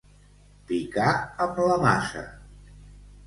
Picar amb la maça.